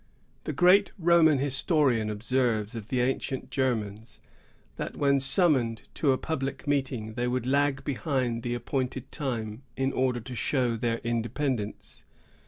The great Roman historian observes of the ancient Germans, that when summoned to a public meeting, they would lag behind the appointed time in order to show their independence.